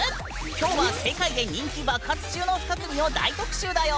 きょうは世界で人気爆発中の２組を大特集だよ！